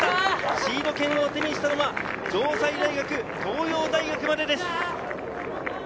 シード権を手にしたのは城西大学と東洋大学までです。